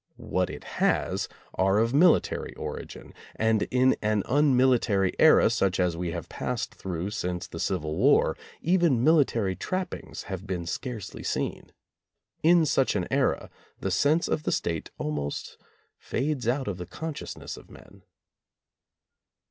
What it has are of military origin, and in an unmilitary era such as we have passed through since the Civil War, even military trappings have been scarcely seen. In such an era the sense of the State almost fades out of the consciousness of men.